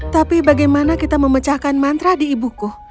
tapi bagaimana kita memecahkan mantra di ibuku